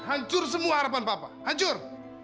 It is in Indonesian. hancur semua harapan papa hancur